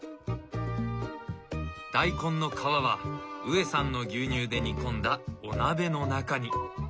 大根の皮はウエさんの牛乳で煮込んだお鍋の中に。